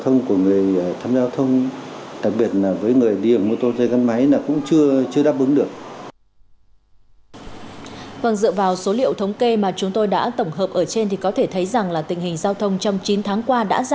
trong chín tháng qua bệnh viện một trăm chín mươi tám đã tiếp nhận nhiều trường hợp tai nạn giao thông